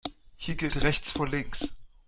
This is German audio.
Hier gilt rechts vor links.